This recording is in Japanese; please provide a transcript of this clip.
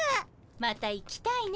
また行きたいね。